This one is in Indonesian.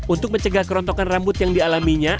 untuk mencegah kerontokan rambut yang dialaminya